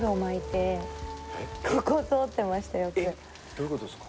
どういうことですか？